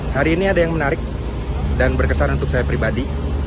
hari ini ada yang menarik dan berkesan untuk saya pribadi